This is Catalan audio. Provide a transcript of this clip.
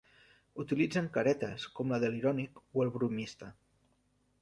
Utilitzen caretes com la de l'irònic o el bromista.